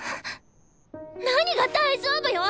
何が「大丈夫」よ！